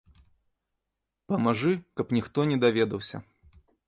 Памажы, каб ніхто не даведаўся.